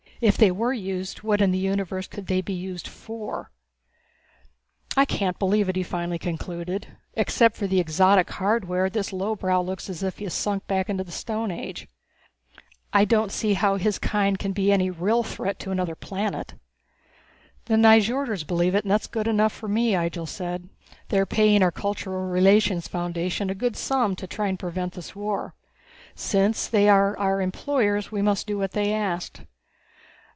If they were used what in the universe could they be used for? "I can't believe it," he finally concluded. "Except for the exotic hardware, this lowbrow looks as if he has sunk back into the Stone Age. I don't see how his kind can be any real threat to another planet." "The Nyjorders believe it, and that's good enough for me," Ihjel said. "They are paying our Cultural Relationships Foundation a good sum to try and prevent this war. Since they are our employers, we must do what they ask."